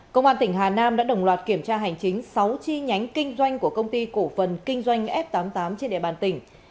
công an tỉnh hà nam đã đồng loạt kiểm tra hành chính sáu chi nhánh kinh doanh của công ty cổ phần kinh doanh f tám mươi tám trên địa bàn tỉnh